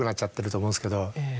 と思うんですけど。